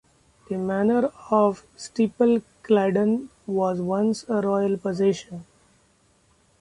The manor of Steeple Claydon was once a royal possession.